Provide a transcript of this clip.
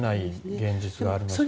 現実があるのかなと。